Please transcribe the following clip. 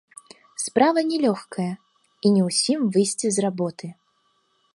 Справа не лёгкая, і не ўсім выйсці з работы.